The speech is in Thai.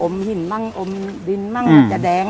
อมหินบ้างอมดินบ้างมันจะแดง